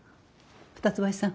二ツ橋さん